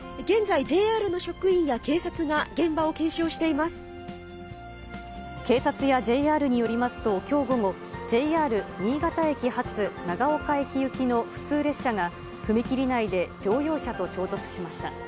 現在、ＪＲの職員や警察が、警察やＪＲによりますと、きょう午後、ＪＲ新潟駅発長岡駅行きの普通列車が、踏切内で乗用車と衝突しました。